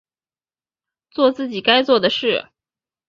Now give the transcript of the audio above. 作自己该做的事